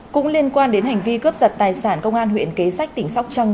cũng liên quan đến hành vi cướp giật tài sản công an huyện kế sách tỉnh sóc trăng